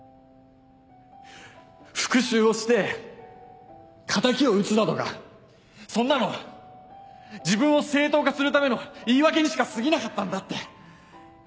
復讐をして敵を討つだとかそんなの自分を正当化するための言い訳にしかすぎなかったんだって。